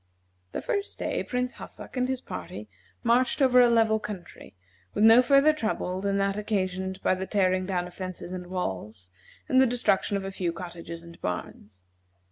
The first day Prince Hassak and his party marched over a level country, with no further trouble than that occasioned by the tearing down of fences and walls, and the destruction of a few cottages and barns.